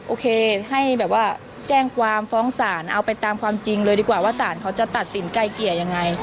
โอเคให้แบบว่าแจ้งความฟ้องศาลเอาไปตามความจริงเลยดีกว่าว่าสารเขาจะตัดสินไกลเกลี่ยยังไง